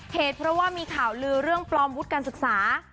เหตุเพราะว่ามีข่าวลือเรื่องปลอมวุฒิการศึกษา